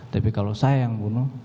tapi kalau saya yang bunuh